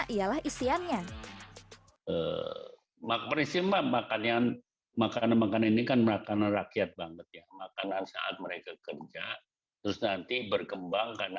ialah isiannya makanan makanan makan ini kan makanan rakyat banget makanan saat mereka kerja